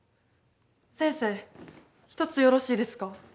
先生一つよろしいですか？